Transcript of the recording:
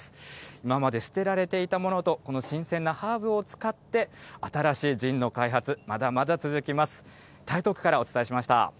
今まで捨てられていたものと、この新鮮なハーブを使って、新しいジンの開発、まだまだ続きます。